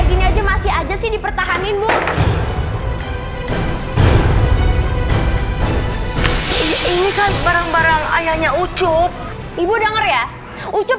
gini aja masih aja sih dipertahanin bu ini kan barang barang ayahnya ucup ibu dengar ya ucup